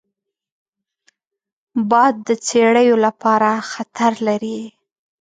باد د څړیو لپاره خطر لري